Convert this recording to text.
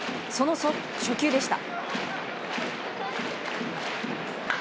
その初球でした。